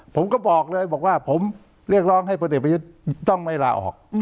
ผมก็บอกเลยบอกว่าผมเรียกร้องให้พลเอกประยุทธ์ต้องไม่ลาออก